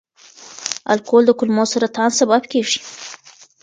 الکول د کولمو سرطان سبب کېږي.